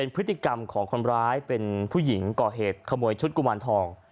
เป็นผู้หญิงก่อเหตุขโมยชุดกุมารทอง